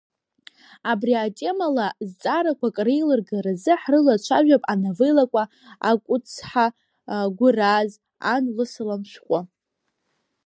Абри атемала зҵаарақәак реилыргаразы ҳрылацәажәап ановеллақәа Акәыцҳа, Гәыраз, Ан лысалам шәҟәы.